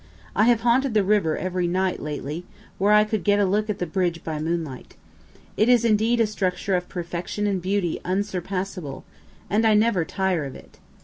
I have haunted the river every night lately, where I could get a look at the bridge by moonlight. It is indeed a structure of perfection and beauty unsurpassable, and I never tire of it.